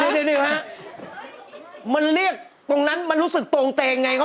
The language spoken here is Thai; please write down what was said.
อ๋อธรรมดีจะเป็นแบบนี้